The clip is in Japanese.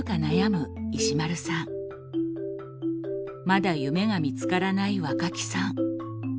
まだ夢が見つからない若木さん。